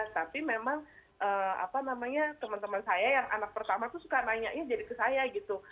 tapi memang apa namanya teman teman saya yang anak pertama tuh suka nanya jadi ke saya gitu